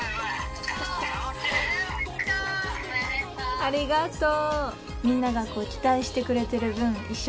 ありがとう。